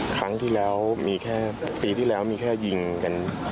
ครั้งที่แล้วมีแค่ปีที่แล้วมีแค่ยิงกัน